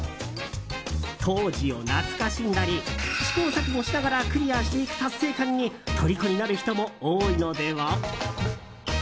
当時を懐かしんだり試行錯誤しながらクリアしていく達成感にとりこになる人も多いのでは。